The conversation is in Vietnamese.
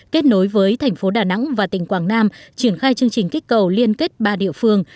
kết nối với thành phố đà nẵng và tỉnh quảng nam triển khai chương trình kích cầu liên kết ba địa phương